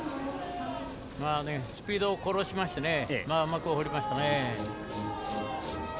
スピードを殺しましてうまく放りましたね。